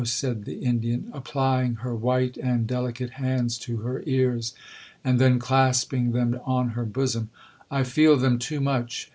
said the Indian, applying her white and delicate hands to her ears, and then clasping them on her bosom; 'I feel them too much.'